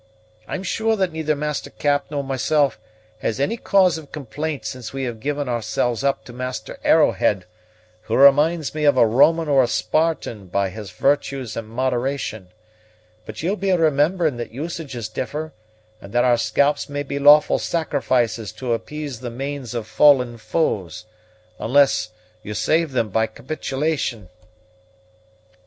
I'm sure that neither Master Cap nor myself has any cause of complaint since we have given ourselves up to Master Arrowhead, who reminds me of a Roman or a Spartan by his virtues and moderation; but ye'll be remembering that usages differ, and that our scalps may be lawful sacrifices to appease the manes of fallen foes, unless you save them by capitulation."